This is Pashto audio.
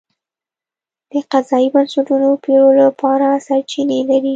د قضایي بنسټونو پېرلو لپاره سرچینې لري.